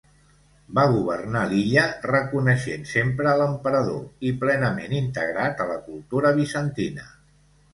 Va governar l'illa reconeixent sempre a l'emperador i plenament integrat a la cultura bizantina.